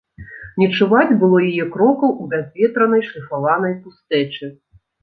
Не чуваць было яе крокаў у бязветранай шліфаванай пустэчы.